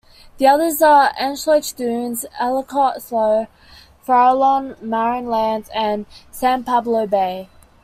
The others are: Antioch Dunes, Ellicott Slough, Farallon, Marin Islands, and San Pablo Bay.